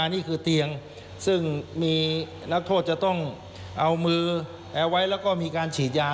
นี่คือเตียงซึ่งมีนักโทษจะต้องเอามือแอร์ไว้แล้วก็มีการฉีดยา